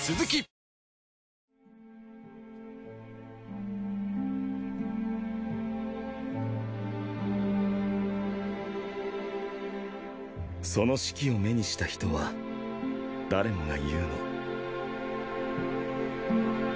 レニー：その指揮を目にした人は誰もが言うの